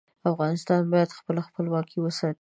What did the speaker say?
افغانستان باید خپله خپلواکي وساتي.